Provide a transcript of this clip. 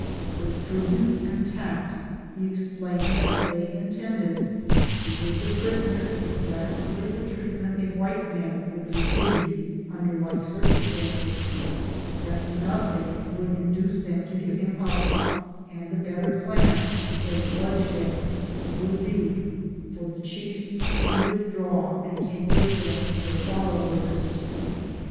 With prudence and tact he explained that tliey intended to give the prisoner exactly the treatment a white man would receive under like circumstances; that nothing would induce them to give him up ; and the better plan, to save bloodshed, would be for the chiefs to withdraw and take with them their followers.